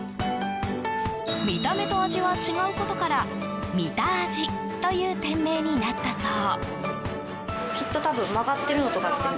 見た目と味は違うことからみたあじという店名になったそう。